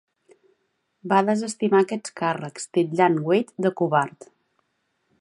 Va desestimar aquests càrrecs, titllant Wade de covard.